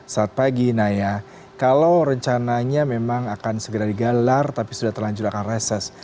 saat pagi naya kalau rencananya memang akan segera digalar tapi sudah terlanjur akan reses